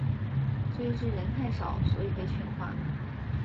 所以是人太少所以被训话？